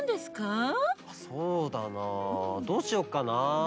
そうだなどうしよっかな。